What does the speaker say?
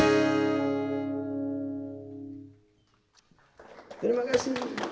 laillah haillallah muhammadah rasulullah